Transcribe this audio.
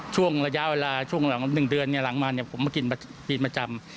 ช่วงระยะเวลา๑เดือนสัปดาห์หลังมาผมกินปิดประจำ